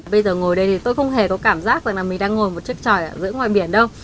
bây giờ ngồi đây thì tôi không hề có cảm giác rằng là mình đang ngồi một chiếc tròi ở giữa ngoài biển đâu